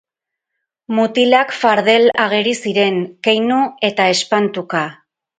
Mutilak fardel ageri ziren, keinu eta espantuka.